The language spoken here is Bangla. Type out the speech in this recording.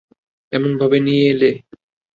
এমনভাবে নিয়ে এলে?